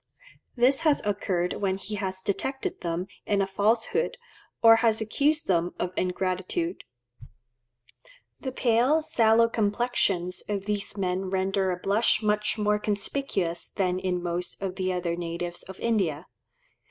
This has occurred when he has detected them in a falsehood, or has accused them of ingratitude. The pale, sallow complexions of these men render a blush much more conspicuous than in most of the other natives of India.